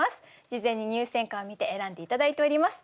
事前に入選歌を見て選んで頂いております。